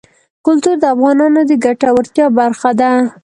کلتور د افغانانو د ګټورتیا برخه ده.